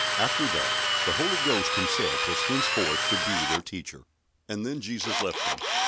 After that the Holy Ghost Himself was henceforth to be their Teacher. And then Jesus left them.